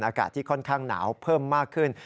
อากาศที่ค่อนข้างหนาวเพิ่มมากขึ้น